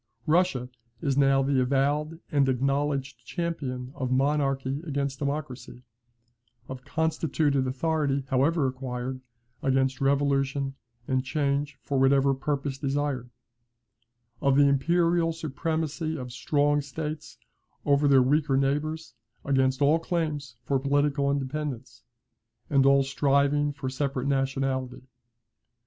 Russia is now the avowed and acknowledged champion of Monarchy against Democracy; of constituted authority, however acquired, against revolution and change for whatever purpose desired; of the imperial supremacy of strong states over their weaker neighbours against all claims for political independence, and all striving for separate nationality.